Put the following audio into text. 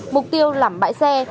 mục tiêu làm bãi xe